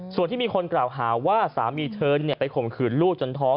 ส่วนที่มีคนกล่าวหาว่าสามีเธอไปข่มขืนลูกจนท้อง